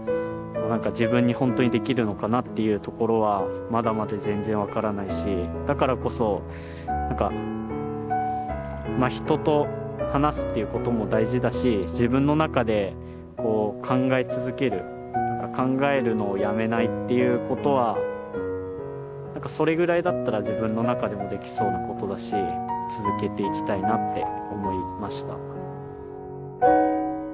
自分に本当にできるのかなっていうところはまだまだ全然分からないしだからこそ何か人と話すっていうことも大事だし自分の中で考え続ける考えるのをやめないっていうことはそれぐらいだったら自分の中でもできそうなことだし続けていきたいなって思いました。